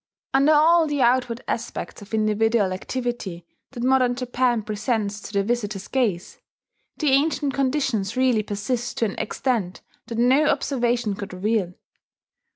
Under all the outward aspects of individual activity that modern Japan presents to the visitor's gaze, the ancient conditions really persist to an extent that no observation could reveal.